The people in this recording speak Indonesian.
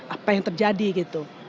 apa yang terjadi gitu